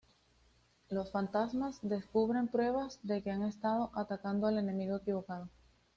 Los fantasmas descubren pruebas de que han estado atacando al enemigo equivocado.